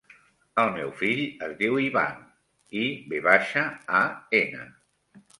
El meu fill es diu Ivan: i, ve baixa, a, ena.